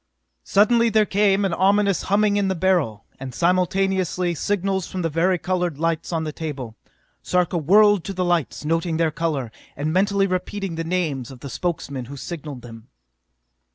Suddenly there came an ominous humming in the Beryl, and simultaneously signals from the vari colored lights on the table. Sarka whirled to the lights, noting their color, and mentally repeating the names of the Spokesmen who signalled him.